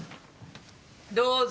どうぞ。